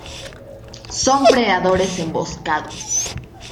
Son predadores emboscados.